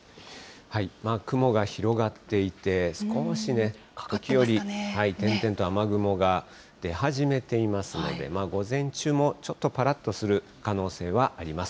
雲が広がっていて、少し、時折、点々と雨雲が出始めていますので、午前中もちょっとぱらっとする可能性はあります。